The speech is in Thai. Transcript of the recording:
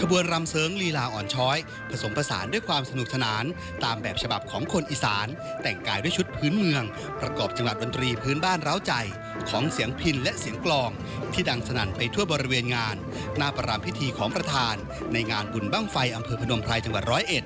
ผู้ชมครับวันนี้ยิ่งใหญ่แล้วว่าเป็นแมงครับ